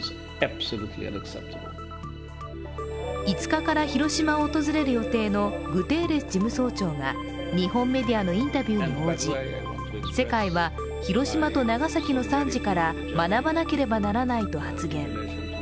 ５日から広島を訪れる予定のグテーレス事務総長が日本メディアのインタビューに応じ、世界は広島と長崎の惨事から学ばなければならないと発言。